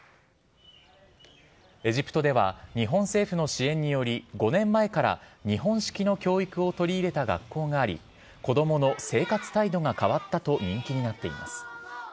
エジプトでは、日本政府の支援により、５年前から日本式の教育を取り入れた学校があり、子どもの生活態度が変わったと人気になっています。